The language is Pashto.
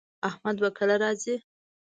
احمد به کله راځي